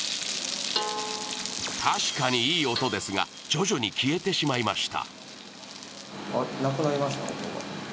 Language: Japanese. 確かにいい音ですが徐々に消えてしまいました。